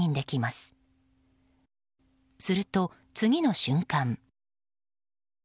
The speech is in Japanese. すると次の瞬間。